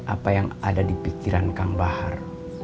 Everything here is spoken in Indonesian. apa yang ada di pikiran kambahar